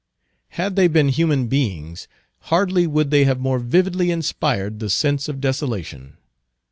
Had they been human beings, hardly would they have more vividly inspired the sense of desolation.